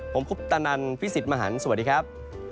ผมพุทธนันทร์ฟิสิทธิ์มหันทร์สวัสดีครับ